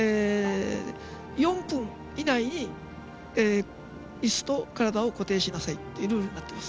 ４分以内にいすと体を固定しなさいというルールになっています。